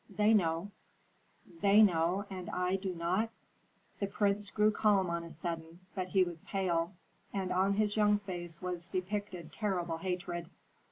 "They know." "They know, and I do not." The prince grew calm on a sudden, but he was pale, and on his young face was depicted terrible hatred.